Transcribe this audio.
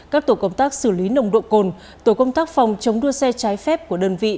các tổ công tác xử lý nồng độ cồn tổ công tác phòng chống đua xe trái phép của đơn vị